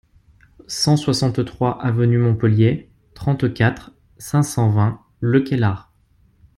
cent soixante-trois avenue Montpellier, trente-quatre, cinq cent vingt, Le Caylar